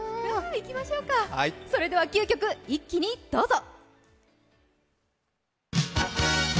それでは９曲、一気にどうぞ。